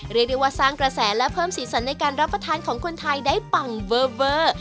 เรียกได้ว่าสร้างกระแสและเพิ่มสีสันในการรับประทานของคนไทยได้ปังเวอร์